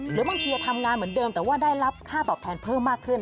หรือบางทีทำงานเหมือนเดิมแต่ว่าได้รับค่าตอบแทนเพิ่มมากขึ้น